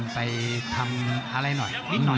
ไปทำอะไรหน่อย